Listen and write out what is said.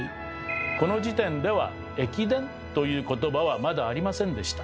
この時点では「駅伝」という言葉はまだありませんでした。